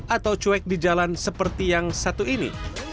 atau cuek di jalan seperti yang satu ini